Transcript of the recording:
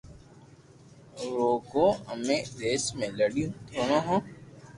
روگو امي ڊپس ۾ لڙين ئوري ھون